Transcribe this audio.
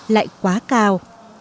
lại quá cao